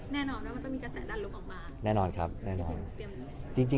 แล้วพี่ดูแล้วเตรียมต่อไปกับกันแน่นอนว่ามันต้องมีกระแสดันลงออกมา